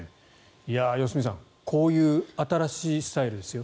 良純さん、こういう新しいスタイルですよ。